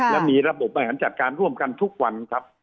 และมีระบบบบริหารจัดการร่วมกันทุกวันครับ